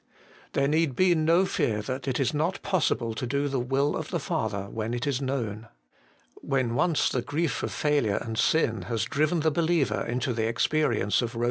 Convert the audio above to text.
There need be no fear that it is not possible to do the will of the Father when it is known. When once the grief of failure and sin has driven the believer into the experience of Kom.